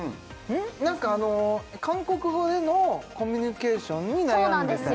なんかあの韓国語でのコミュニケーションに悩んでたそうなんですよ